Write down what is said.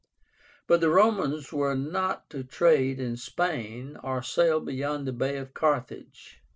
But the Romans were not to trade in Spain, or sail beyond the Bay of Carthage.